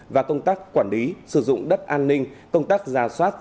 và công tác quản lý sử dụng đất an ninh công tác giả soát